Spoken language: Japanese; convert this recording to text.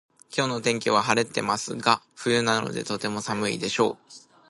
今日の天気は晴れてますが冬なのでとても寒いでしょう